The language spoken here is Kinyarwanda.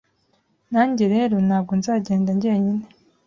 Nanjye rero ntabwo nzagenda njyenyine,